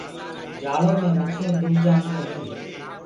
جآݪو مي مڇيونٚ دُب جآنديو هينٚ۔